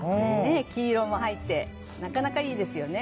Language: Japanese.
黄色も入ってなかなか、いいですよね。